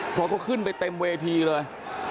เพราะเขาขึ้นไปเต็มเวทีเลย